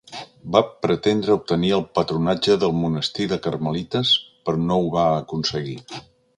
Va pretendre obtenir el patronatge del monestir de carmelites però no ho va aconseguir.